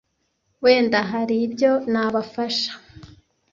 wenda hari ibyo nabafasha